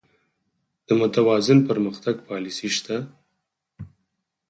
د متوازن پرمختګ پالیسي شته؟